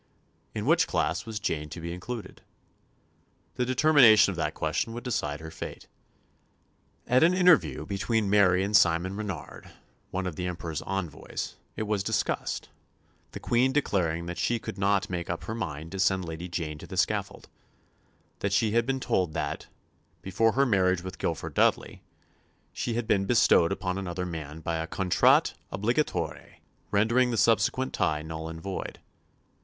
In which class was Jane to be included? The determination of that question would decide her fate. At an interview between Mary and Simon Renard, one of the Emperor's envoys, it was discussed, the Queen declaring that she could not make up her mind to send Lady Jane to the scaffold; that she had been told that, before her marriage with Guilford Dudley, she had been bestowed upon another man by a contrat obligatoire, rendering the subsequent tie null and void.